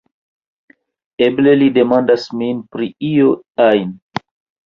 Eble li demandas min pri io ajn!"